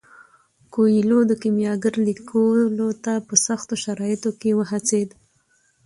کویلیو د کیمیاګر لیکلو ته په سختو شرایطو کې وهڅید.